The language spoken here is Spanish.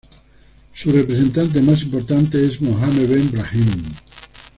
Su representante más importante es Mohammed Ben Brahim.